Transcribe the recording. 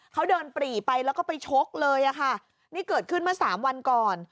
เขาเดินปรีไปแล้วก็ไปชกเลยอะค่ะนี่เกิดขึ้นเมื่อสามวันก่อน